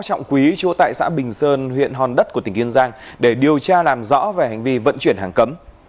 trọng quý chúa tại xã bình sơn huyện hòn đất của tỉnh kiên giang để điều tra làm rõ về hành vi vận chuyển hàng cấm